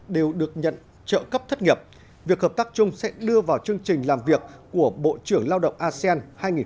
đều được nhận trợ cấp thất nghiệp việc hợp tác chung sẽ đưa vào chương trình làm việc của bộ trưởng lao động asean